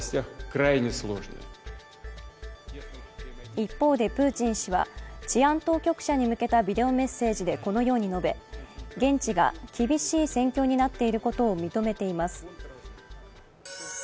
一方でプーチン氏は治安当局者に向けたビデオメッセージでこのように述べ、現地が厳しい戦況になっていることを認めています。